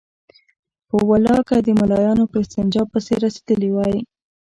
په والله که د ملايانو په استنجا پسې رسېدلي وای.